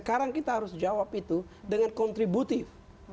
jadi kita harus jawab itu dengan kontributif